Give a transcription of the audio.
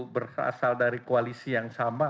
berasal dari koalisi yang sama